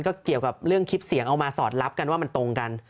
ก็เกี่ยวกับเรื่องคลิปเสียงเอามาสอดรับกันว่ามันตรงกัน